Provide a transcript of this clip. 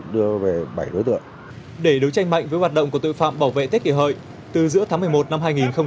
để đối tranh mạnh với hoạt động của tội phạm bảo vệ tết kỷ hợi từ giữa tháng một mươi một năm hai nghìn một mươi tám